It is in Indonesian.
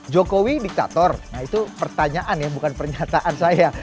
jokowi diktator nah itu pertanyaan ya bukan pernyataan saya